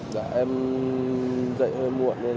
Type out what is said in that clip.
trong bảy ngày tết nguyên đán kỷ hội